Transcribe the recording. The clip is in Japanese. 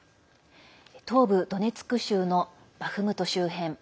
東部ドネツク州のバフムト周辺